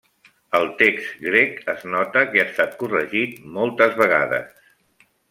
El text grec es nota que ha estat corregit moltes vegades.